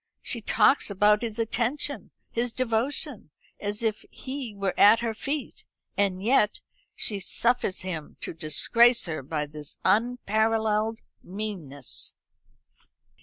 "She talks about his attention, his devotion, as if he were at her feet; and yet she suffers him to disgrace her by this unparalleled meanness!"